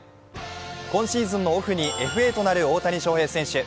今シーズンのオフにＦＡとなる大谷選手。